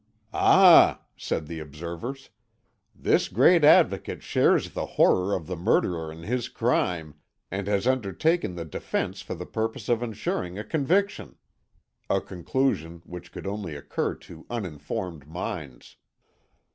"Ah," said those observers, "this great Advocate shares the horror of the murderer and his crime, and has undertaken the defence for the purpose of ensuring a conviction." A conclusion which could only occur to uninformed minds.